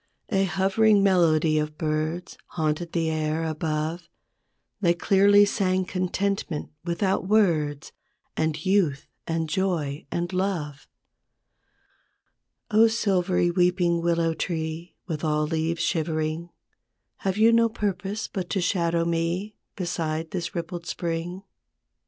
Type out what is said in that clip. I A hovering melody of birds Haunted the air above; They clearly sang contentment without words, And youth and joy and love. O silvery weeping willow tree With all leaves shivering, Have you no purpose but to shadow me Beside this, rippled spring?